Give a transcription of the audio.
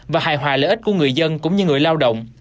và hài hòa lợi ích của người dân cũng như người lao động